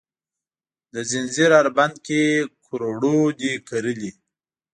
د ځنځیر هر بند کې کروړو دي کرلې،